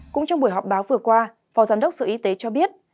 cũng trong buổi họp báo vừa qua phó giám đốc sở y tế cho biết